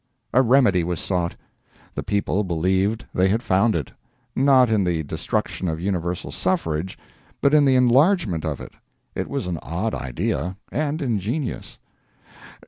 A remedy was sought. The people believed they had found it; not in the destruction of universal suffrage, but in the enlargement of it. It was an odd idea, and ingenious.